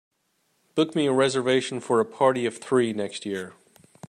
Book me a reservation for a party of three next year